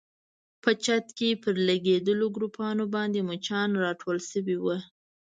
په چت کې پر لګېدلو ګروپانو باندې مچان راټول شوي ول.